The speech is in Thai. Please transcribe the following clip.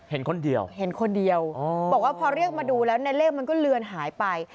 เห็นคนเดียวเห็นคนเดียวบอกว่าพอเรียกมาดูแล้วในเลขมันก็เลือนหายไป